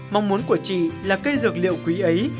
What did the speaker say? mong muốn của chị là cây dược liệu quý ấy